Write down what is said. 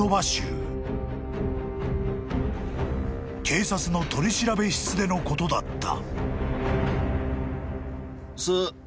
［警察の取調室でのことだった］